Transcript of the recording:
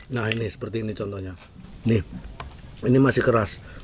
nah ini seperti ini contohnya nih ini masih keras